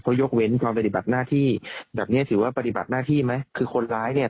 เขายกเว้นความปฏิบัติหน้าที่แบบเนี้ยถือว่าปฏิบัติหน้าที่ไหมคือคนร้ายเนี่ย